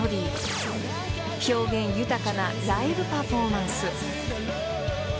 ［表現豊かなライブパフォーマンス］